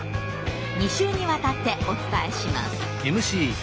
２週にわたってお伝えします。